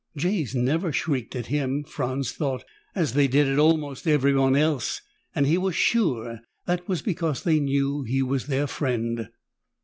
Jays never shrieked at him, Franz thought, as they did at almost everyone else, and he was sure that was because they knew he was their friend.